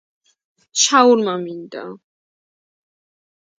შაურმა მინდა